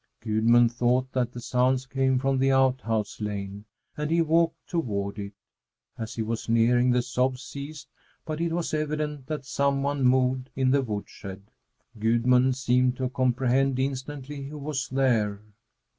Gudmund thought that the sounds came from the outhouse lane, and he walked toward it. As he was nearing, the sobs ceased; but it was evident that some one moved in the woodshed. Gudmund seemed to comprehend instantly who was there.